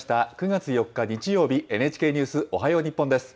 ９月４日日曜日、ＮＨＫニュースおはよう日本です。